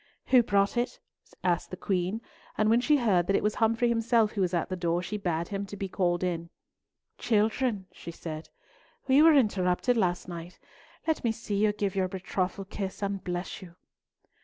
"Who brought it?" asked the Queen, and when she heard that it was Humfrey himself who was at the door, she bade him be called in. "Children," she said, "we were interrupted last night. Let me see you give your betrothal kiss, and bless you."